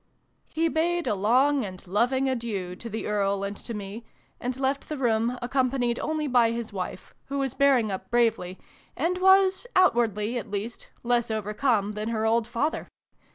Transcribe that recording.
" He bade a long and loving adieu to the Earl and to me, and left the room, accompanied only by his wife, who was bearing up bravely, and was outwardly, at least less overcome than her old father.